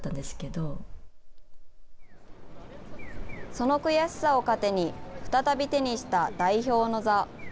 その悔しさを糧に、再び手にした代表の座。